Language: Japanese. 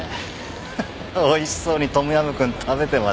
おいしそうにトムヤムクン食べてましたね。